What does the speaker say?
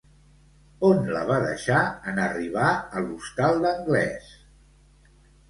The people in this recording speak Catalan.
On la va deixar, en arribar a l'hostal d'Anglès?